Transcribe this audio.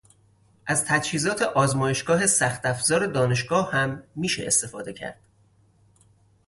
از تجهیزات آزمایشگاه سخت افزار دانشگاه هم میشه استفاده کرد